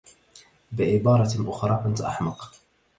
بعبارة أخرى أنت أحمق.